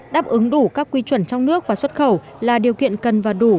đáp ứng đủ các quy chuẩn trong nước và xuất khẩu là điều kiện cần và đủ